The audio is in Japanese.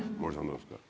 どうですか？